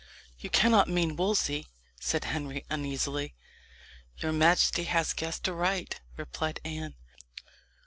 "You cannot mean Wolsey?" said Henry uneasily. "Your majesty has guessed aright," replied Anne.